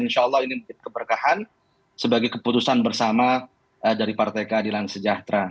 insya allah ini menjadi keberkahan sebagai keputusan bersama dari partai keadilan sejahtera